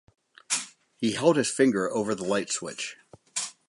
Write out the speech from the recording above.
He held his finger over the light switch.